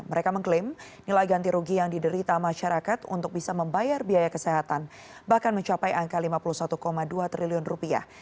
mereka mengklaim nilai ganti rugi yang diderita masyarakat untuk bisa membayar biaya kesehatan bahkan mencapai angka lima puluh satu dua triliun rupiah